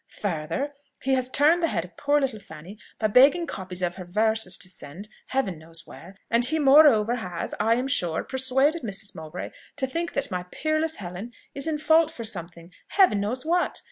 Further, he has turned the head of poor little Fanny, by begging copies of her verses to send Heaven knows where; and he moreover has, I am sure, persuaded Mrs. Mowbray to think that my peerless Helen is in fault for something Heaven knows what.